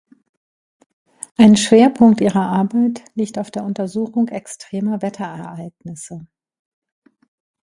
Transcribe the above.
Ein Schwerpunkt ihrer Arbeit liegt auf der Untersuchung extremer Wetterereignisse.